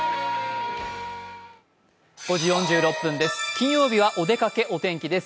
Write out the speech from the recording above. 金曜日は「おでかけ天気」です。